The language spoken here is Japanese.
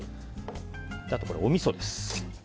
あと、おみそです。